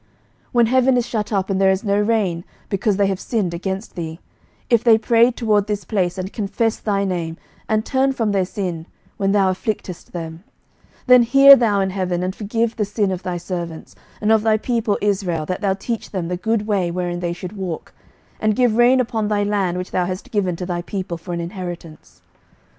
11:008:035 When heaven is shut up, and there is no rain, because they have sinned against thee; if they pray toward this place, and confess thy name, and turn from their sin, when thou afflictest them: 11:008:036 Then hear thou in heaven, and forgive the sin of thy servants, and of thy people Israel, that thou teach them the good way wherein they should walk, and give rain upon thy land, which thou hast given to thy people for an inheritance.